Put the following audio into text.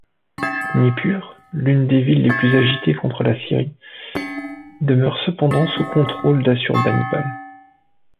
Nippur, l'une des villes les plus agitées contre l'Assyrie, demeure cependant sous contrôle d'Assurbanipal.